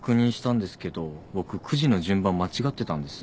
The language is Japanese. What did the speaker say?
僕くじの順番間違ってたんです。